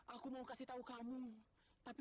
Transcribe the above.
aku janji gak akan ngulang lagi